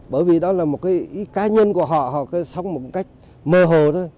bởi vì đó là một cái ý cá nhân của họ họ cứ sống một cách mơ hồ thôi